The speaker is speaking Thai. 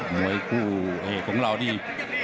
หมวยกุเวียกของเรานี่